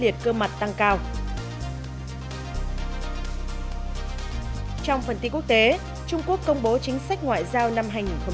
trong phần tin quốc tế trung quốc công bố chính sách ngoại giao năm hai nghìn một mươi tám